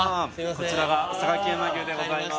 こちらが榊山牛でございます